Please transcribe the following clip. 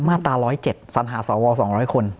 มาตรา๑๐๗สัญหาสว๒๐๐คน